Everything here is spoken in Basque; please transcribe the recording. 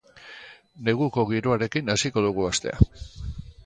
Neguko giroarekin hasiko dugu astea.